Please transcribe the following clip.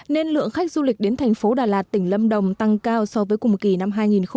nên lượng khách du lịch đến thành phố đà lạt tỉnh lâm đồng tăng cao so với cùng kỳ năm hai nghìn một mươi chín